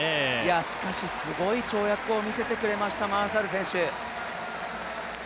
しかしすごい跳躍を見せてくれました、マーシャル選手。